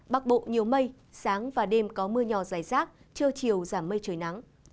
bắc bộ nhiều mây sáng và đêm có mưa nhỏ dài rác trưa chiều giảm mây trời nắng